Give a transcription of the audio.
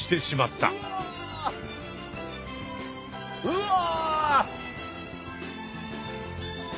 うわ！